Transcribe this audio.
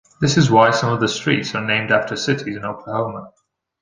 This is why some of the streets are named after cities in Oklahoma.